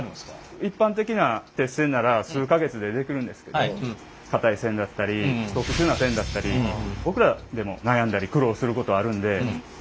一般的な鉄線なら数か月でできるんですけど硬い線だったり特殊な線だったり僕らでも悩んだり苦労することあるんで一生勉強ですね。